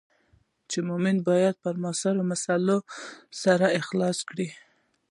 چې مومن باید پر معاصرو مسایلو سر خلاص کړي.